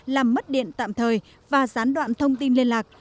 làm mất điện tạm thời và gián đoạn thông tin liên lạc